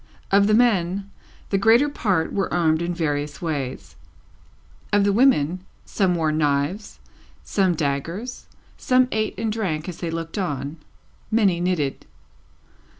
Of the men, the greater part were armed in various ways; of the women, some wore knives, some daggers, some ate and drank as they looked on, many knitted.